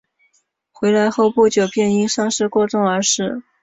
回来后不久便因伤势过重而死。